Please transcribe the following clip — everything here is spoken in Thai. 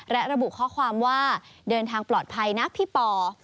และระบุข้อความว่าเดินทางปลอดภัยนะพี่ป่อ